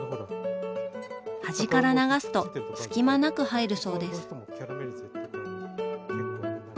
端から流すと隙間なく入るそうです。